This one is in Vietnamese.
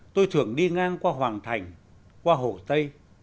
tôi thường đi ngang qua hoàng thành qua hồ tây